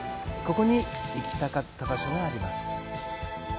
ここに行きたかった場所があります。